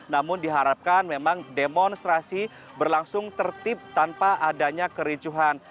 namun diharapkan memang demonstrasi berlangsung tertib tanpa adanya kericuhan